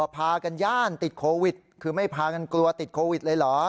พากันย่านติดโควิดคือไม่พากันกลัวติดโควิดเลยเหรอ